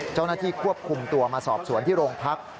เจ้าหน้าที่ควบคุมตัวมาสอบสวนที่โรงพัก